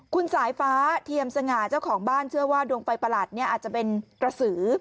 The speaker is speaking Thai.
คุณสายฟ้าเทียมสง่าเจ้าของบ้านเชื่อว่าดวงไฟประหลาดเนี่ยอาจจะเป็นกระสือ